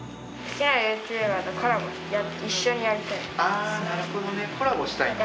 あなるほどね。コラボしたいんだ。